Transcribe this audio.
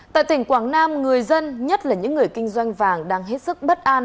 tại tỉnh quảng nam người dân nhất là những người kinh doanh vàng đang hết sức bất an